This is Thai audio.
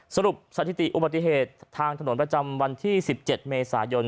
สถิติอุบัติเหตุทางถนนประจำวันที่๑๗เมษายน